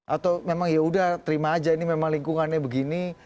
atau memang yaudah terima aja ini memang lingkungannya begini